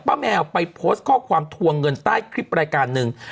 แมวไปโพสต์ข้อความทวงเงินใต้คลิปรายการหนึ่ง